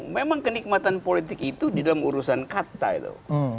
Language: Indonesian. memang kenikmatan politik itu di dalam urusan kata itu